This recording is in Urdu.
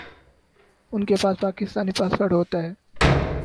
انکے پاس پاکستانی پاسپورٹ ہوتا ہے